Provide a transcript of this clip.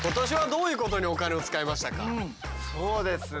そうですね